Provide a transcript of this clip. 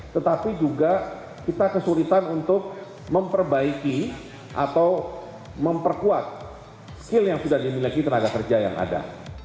tetapi juga kita kesulitan untuk memperbaiki atau memperkuat skill yang sudah dimiliki tenaga kerja yang ada